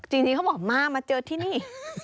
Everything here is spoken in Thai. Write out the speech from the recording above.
จริงเขาบอกมามาเจอที่นี่